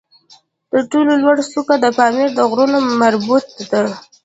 تر ټولو لوړه څوکه د پامیر د غرونو مربوط ده